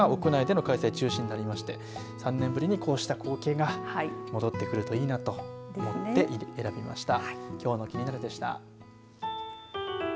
おととしが全日程中止になって去年が屋内での開催が中心になりまして３年ぶりにこうした光景が戻ってくるといいなと思って選びました。